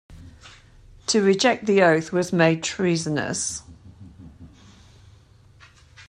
To reject the oath was made treasonous.